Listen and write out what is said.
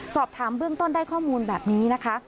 สอบถามเบื้องต้นได้ข้อมูลแบบนี้นะคะ